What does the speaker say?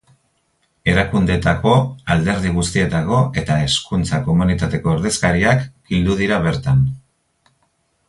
Erakundeetako, alderdi guztietako eta hezkuntza komunitateko ordezkariak bildu dira bertan.